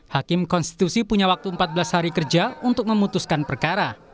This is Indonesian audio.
hakim konstitusi punya waktu empat belas hari kerja untuk memutuskan perkara